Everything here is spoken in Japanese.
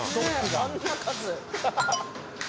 あんな数。